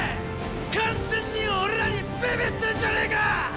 完全に俺らにびびってんじゃねェか！